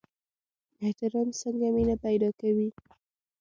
احترام څنګه مینه پیدا کوي؟